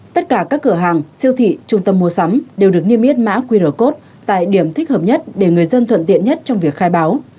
tất cả các cửa hàng siêu thị trung tâm mua sắm đều được niêm yết mã qr code tại điểm thích hợp nhất để người dân thuận tiện nhất trong việc khai báo